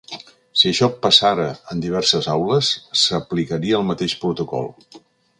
Si això passara en diverses aules, s’aplicaria el mateix protocol.